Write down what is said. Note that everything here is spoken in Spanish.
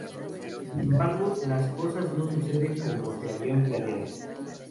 Sin embargo las cosas no suceden como se habían planeado.